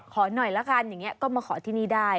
ขอหน่อยละกันอย่างนี้ก็มาขอที่นี่ได้